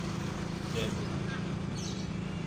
des petites filles.